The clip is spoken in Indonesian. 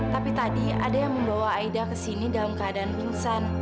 tapi tadi ada yang membawa aida kesini dalam keadaan pingsan